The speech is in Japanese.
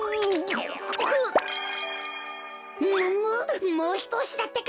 むむもうひとおしだってか！